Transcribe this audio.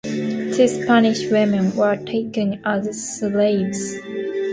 Two Spanish women were taken as slaves.